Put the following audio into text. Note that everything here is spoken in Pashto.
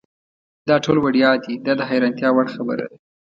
دا ټول وړیا دي دا د حیرانتیا وړ خبره ده.